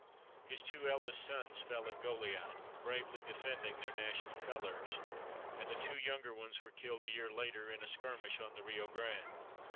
His two eldest sons fell at Goliad, bravely defending their national colors, and the two younger ones were killed a year later in a skirmish on the Rio Grande.